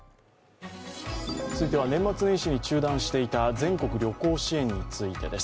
年末年始に中断していた全国旅行支援についてです。